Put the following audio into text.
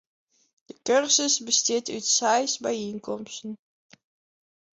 De kursus bestiet út seis byienkomsten.